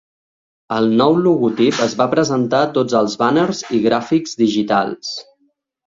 El nou logotip es va presentar a tots els bàners i gràfics digitals.